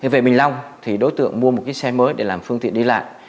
về bình long thì đối tượng mua một cái xe mới để làm phương tiện đi lại